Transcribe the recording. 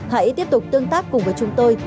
hãy tiếp tục tương tác cùng với chúng tôi